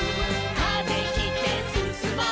「風切ってすすもう」